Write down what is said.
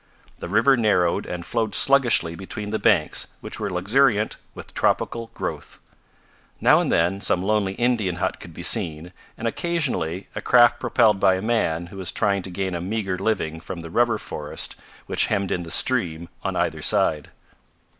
The river narrowed and flowed sluggishly between the banks which were luxuriant with tropical growth. Now and then some lonely Indian hut could be seen, and occasionally a craft propelled by a man who was trying to gain a meager living from the rubber forest which hemmed in the stream on either side.